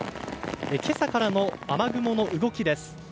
今朝からの雨雲の動きです。